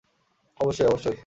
অবশ্যই, অবশ্যই।